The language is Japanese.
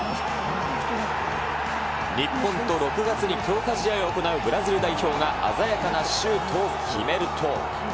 日本と６月に強化試合を行うブラジル代表が、鮮やかなシュートを決めると。